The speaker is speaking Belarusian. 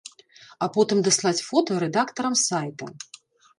А потым даслаць фота рэдактарам сайта.